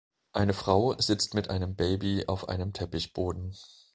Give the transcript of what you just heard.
Eine Frau sitzt mit einem Baby auf einem Teppichboden.